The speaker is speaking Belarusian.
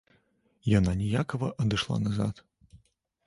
Яна ніякава адышла назад.